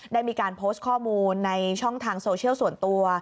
ได้มีการโพสต์ข้อมูลในช่องทางโซเชียลส่วนตัว